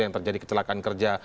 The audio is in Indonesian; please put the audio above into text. yang terjadi kecelakaan kerja